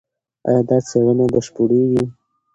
ایا دا څېړنه بشپړېږي؟